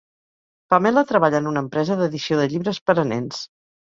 Pamela treballa en una empresa d'edició de llibres per a nens.